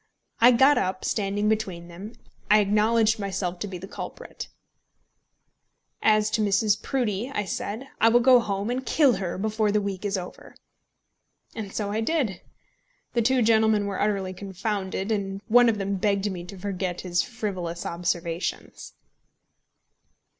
I got up, and standing between them, I acknowledged myself to be the culprit. "As to Mrs. Proudie," I said, "I will go home and kill her before the week is over." And so I did. The two gentlemen were utterly confounded, and one of them begged me to forget his frivolous observations.